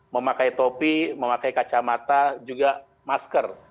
memakai topi memakai kacamata juga masker